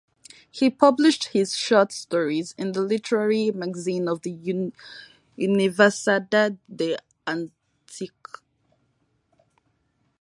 He published his short stories in the literary magazine of the Universidad de Antioquia.